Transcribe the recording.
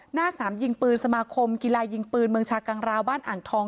หน้าสนามยิงปืนสมาคมกีฬายิงปืนเมืองชากังราวบ้านอ่างทอง